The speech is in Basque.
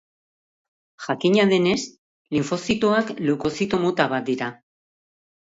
Jakina denez, linfozitoak leukozito mota bat dira.